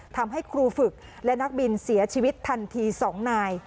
ทำให้ครูฝึกและนักบินเสียชีวิตทันที๒นาย